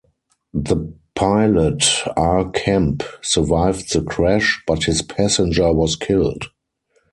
The pilot, R. Kemp, survived the crash, but his passenger was killed.